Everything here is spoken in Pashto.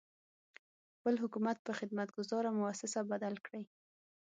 خپل حکومت په خدمت ګذاره مؤسسه بدل کړي.